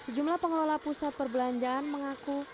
sejumlah pengelola pusat perbelanjaan mengaku